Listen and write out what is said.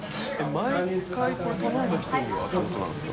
毎回これ頼んだ人にはっていうことなんですか？